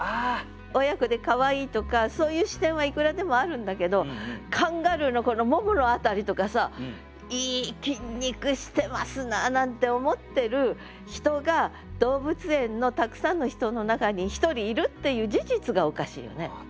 親子でかわいいとかそういう視点はいくらでもあるんだけどカンガルーのこのももの辺りとかさ「いい筋肉してますな」なんて思ってる人が動物園のたくさんの人の中に１人いるっていう事実がおかしいよね。